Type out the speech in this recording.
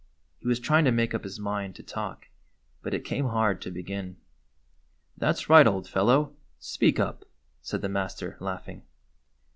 He was trying to make up his mind to talk, but it came hard to begin. " That 's right, old fellow ! speak up !" said the master, laughing.